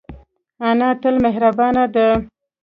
انا تل مهربانه ده